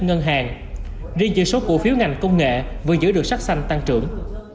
ngân hàng riêng chỉ số cổ phiếu ngành công nghệ vừa giữ được sắc xanh tăng trưởng